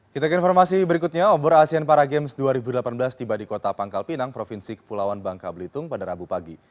kita ke informasi berikutnya obor asean para games dua ribu delapan belas tiba di kota pangkal pinang provinsi kepulauan bangka belitung pada rabu pagi